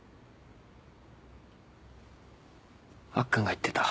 アッくんが言ってた。